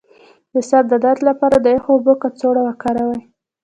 د سر د درد لپاره د یخو اوبو کڅوړه وکاروئ